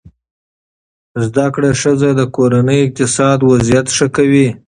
زده کړه ښځه د کورنۍ اقتصادي وضعیت ښه کوي.